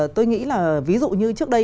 tôi nghĩ là ví dụ như trước đây